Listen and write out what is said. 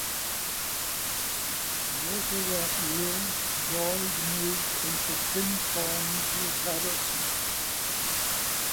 Later that year, Boyd moved into Kinfauns with Harrison.